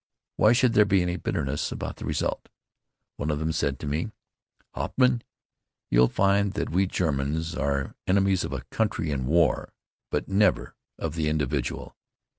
Why should there be any bitterness about the result. One of them said to me, "Hauptmann, you'll find that we Germans are enemies of a country in war, but never of the individual."